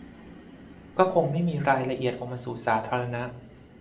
ก็คงไม่มีรายละเอียดออกมาสู่สาธารณะ